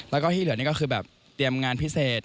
แล้วก็ที่เหลือนี่ก็คือแบบเตรียมงานพิเศษ